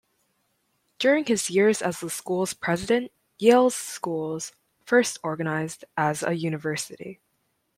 During his years as the school's president, Yale's schools first organized as a university.